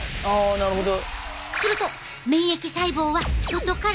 なるほどね。